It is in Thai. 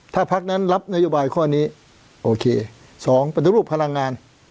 ถ้าพักนั้นรับนโยบายข้อนี้โอเค๒ปฏิรูปพลังงาน